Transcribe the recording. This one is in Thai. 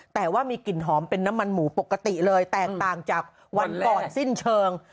แต่ว่ามีกลิ่นหอมเป็นน้ำมันหมูปกติเลยแตกต่างจากวันก่อนสิ้นเชิง